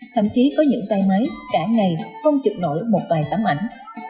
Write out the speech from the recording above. thậm chí có những tay máy cả ngày không trực nổi một vài tấm ảnh